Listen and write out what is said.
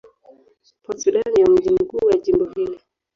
Port Sudan ndio mji mkuu wa jimbo hili.